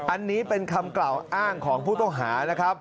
อันนี้เป็นคำกล่าวอ้างของผู้ต้องหานะครับ